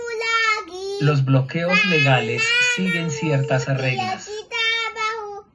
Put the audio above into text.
Los bloqueos legales siguen ciertas reglas.